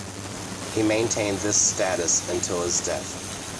He maintained this status until his death.